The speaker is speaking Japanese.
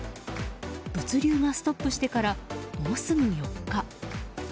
物流がストップしてからもうすぐ４日。